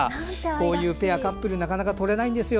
こういうカップルなかなか撮れないんですよ